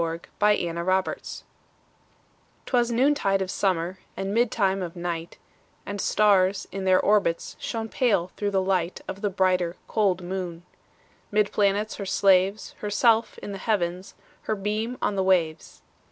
1827 Evening Star 'Twas noontide of summer, And midtime of night, And stars, in their orbits, Shone pale, through the light Of the brighter, cold moon. 'Mid planets her slaves, Herself in the Heavens, Her beam on the waves.